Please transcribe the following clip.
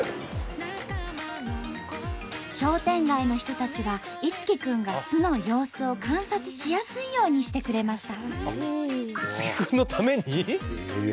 商店街の人たちが樹くんが巣の様子を観察しやすいようにしてくれました。